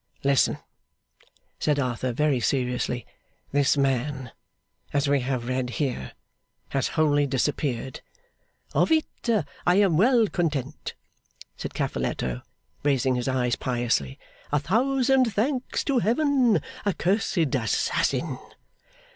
'Listen,' said Arthur, very seriously. 'This man, as we have read here, has wholly disappeared.' 'Of it I am well content!' said Cavalletto, raising his eyes piously. 'A thousand thanks to Heaven! Accursed assassin!